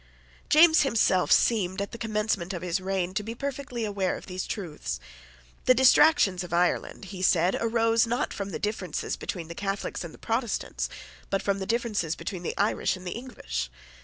James himself seemed, at the commencement of his reign, to be perfectly aware of these truths. The distractions of Ireland, he said, arose, not from the differences between the Catholics and the Protestants, but from the differences between the Irish and the English.